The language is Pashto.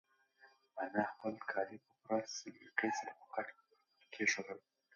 انا خپل کالي په پوره سلیقې سره په کټ کېښودل.